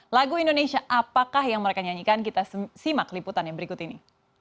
lagu indonesia apakah yang mereka nyanyikan kita simak liputan yang berikut ini